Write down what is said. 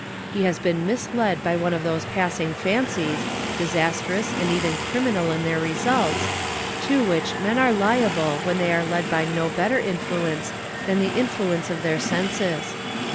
He has been misled by one of those passing fancies, disastrous and even criminal in their results, to which men are liable when they are led by no better influence than the influence of their senses.